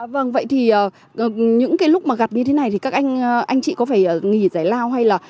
vâng vậy thì những cái lúc mà gặt như thế này thì các anh anh chị có phải nghỉ giải lao hay là